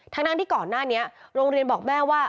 ทั้งที่ก่อนหน้านี้โรงเรียนบอกแม่ว่า